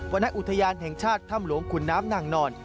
พลันตุอุทยานแทงชาติท่ำหลวงขุนน้ำนางนอน